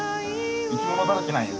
生きものだらけなんよ